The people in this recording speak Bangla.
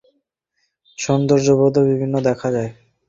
দেশ-কাল-পাত্র-ভেদে নীতি এবং সৌন্দর্যবোধও বিভিন্ন দেখা যায়।